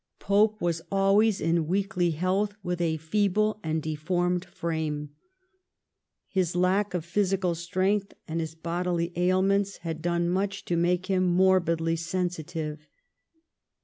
Pope was always in weakly health, with a feeble and deformed frame. His lack of physical strength and his bodily ailments had done much to make him morbidly sensitive.